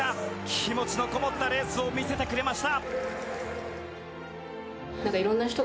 気持ちのこもったレースを見せてくれました。